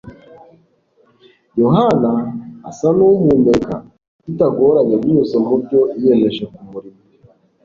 Yohana asa nuwuhumeka bitagoranye binyuze mubyo yiyemeje kumurimo